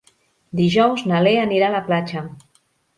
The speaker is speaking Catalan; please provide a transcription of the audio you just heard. Dijous na Lea anirà a la platja.